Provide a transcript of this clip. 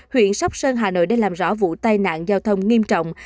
huyện sóc sơn hà nội đang làm rõ vụ tai nạn giao thông nghiêm trọng